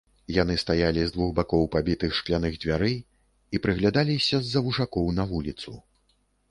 Яны стаялі з двух бакоў пабітых шкляных дзвярэй і прыглядаліся з-за вушакоў на вуліцу.